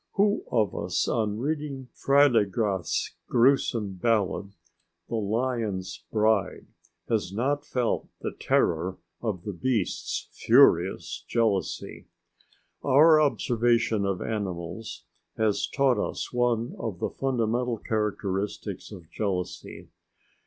Who of us on reading Freiligrath's gruesome ballad, "The Lion's Bride," has not felt the terror of the beast's furious jealousy? Our observation of animals has taught us one of the fundamental characteristics of jealousy.